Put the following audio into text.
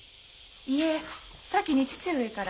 いえ先に父上から。